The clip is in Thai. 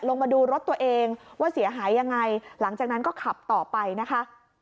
ลงมาดูรถตัวเองว่าเสียหายยังไงหลังจากนั้นก็ขับต่อไปนะคะ